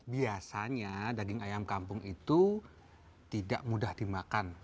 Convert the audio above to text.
biasanya daging ayam kampung itu tidak mudah dimakan